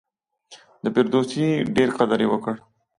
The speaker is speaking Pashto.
د فردوسي ډېر قدر یې وکړ.